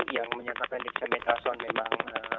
yang menyatakan deksamitason memang